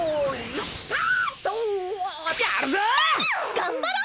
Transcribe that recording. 頑張ろう！